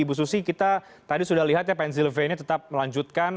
bu susi kita tadi sudah lihat ya pennsylvania tetap melanjutkan